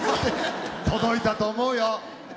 届いたと思うよ。